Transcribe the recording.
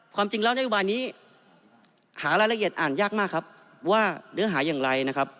ความจริงแล้วนโยบายนี้หารายละเอียดอ่านยากมากครับว่าเนื้อหาอย่างไรนะครับ